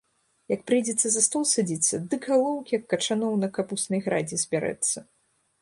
Як прыйдзецца за стол садзіцца, дык галоў, як качаноў на капуснай градзе, збярэцца.